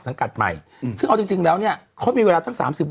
ใหม่ซึ่งเอาจริงจริงแล้วเนี่ยเขามีเวลาทั้งสามสิบวัน